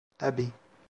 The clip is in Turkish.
Tabi.